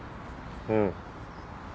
うん。